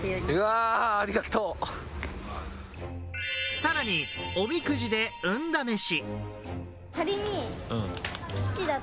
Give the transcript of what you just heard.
さらに、おみくじで運試し。